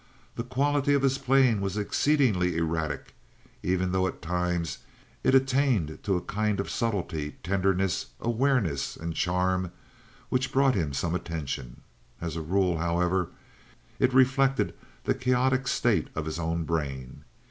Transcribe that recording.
The quality of his playing was exceedingly erratic, even though at times it attained to a kind of subtlety, tenderness, awareness, and charm which brought him some attention. As a rule, however, it reflected the chaotic state of his own brain.